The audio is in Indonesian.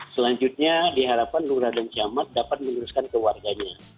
selanjutnya diharapkan lurah dan camat dapat meneruskan ke warganya